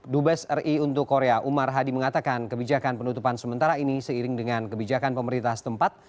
dubes ri untuk korea umar hadi mengatakan kebijakan penutupan sementara ini seiring dengan kebijakan pemerintah setempat